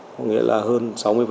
có nghĩa là hơn sáu mươi